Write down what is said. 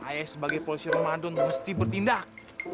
ayah sebagai polisi ramadan mesti bertindak